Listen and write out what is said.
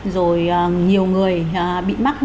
rồi nhiều người bị mắc